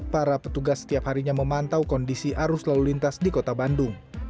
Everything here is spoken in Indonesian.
para petugas setiap harinya memantau kondisi arus lalu lintas di kota bandung